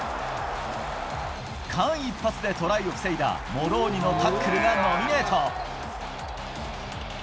間一髪でトライを防いだ、モローニのタックルがノミネート。